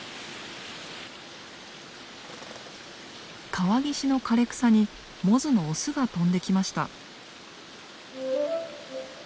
川岸の枯れ草にモズのオスが飛んできました。